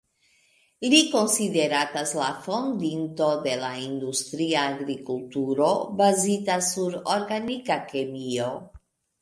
Li konsideratas la fondinto de la industria agrikulturo, bazita sur organika kemio.